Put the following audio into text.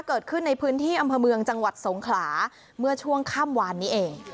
เกิดขึ้นในพื้นที่อำเภอเมืองจังหวัดสงขลาเมื่อช่วงค่ำวานนี้เอง